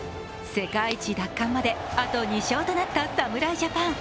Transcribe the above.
世界一奪還まであと２勝となった侍ジャパン。